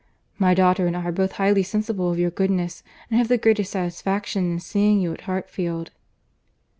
My daughter and I are both highly sensible of your goodness, and have the greatest satisfaction in seeing you at Hartfield."